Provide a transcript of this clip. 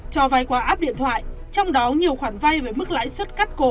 cho vay qua app điện thoại trong đó nhiều khoản vay với mức lãi suất cắt cổ